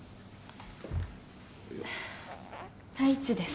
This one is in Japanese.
太一です。